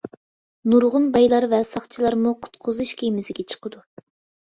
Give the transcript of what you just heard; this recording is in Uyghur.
نۇرغۇن بايلار ۋە ساقچىلارمۇ قۇتقۇزۇش كېمىسىگە چىقىدۇ.